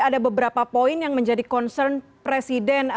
ada beberapa poin yang menjadi concern presiden